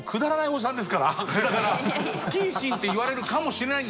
不謹慎って言われるかもしれないんですよ。